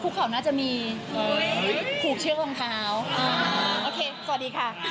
คุกเข่าเลยเหรอ